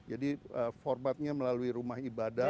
jadi formatnya melalui rumah ibadah